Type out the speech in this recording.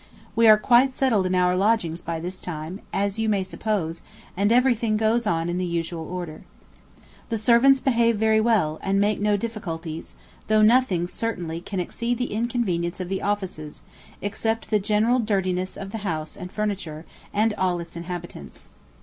We are quite settled in our lodgings by this time, as you may suppose, and everything goes on in the usual order. The servants behave very well, and make no difficulties, though nothing certainly can exceed the inconvenience of the offices, except the general dirtiness of the house and furniture, and all its inhabitants.